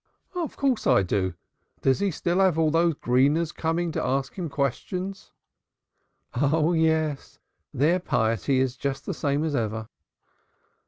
"Of course I do. Does he still have all those Greeners coming to ask him questions?" "Oh, yes. Their piety is just the same as ever."